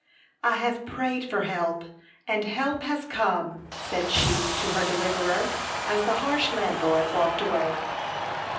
"I have prayed for help, and help has come," said she to her deliverer, as the harsh landlord walked away.